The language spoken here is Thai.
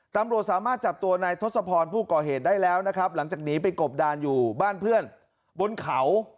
ตำรวจสามารถจับตัวนายทศพรผู้ก่อเหตุได้แล้วนะครับหลังจากหนีไปกบดานอยู่บ้านเพื่อนบนเขา